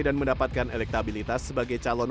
dan mendapatkan elektabilitas sebagai calon